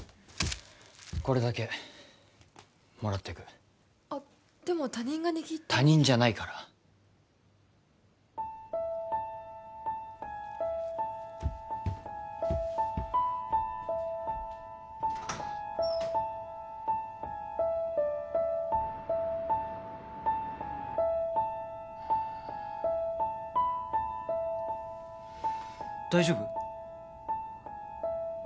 これだけもらっていくあっでも他人がにぎった他人じゃないから大丈夫？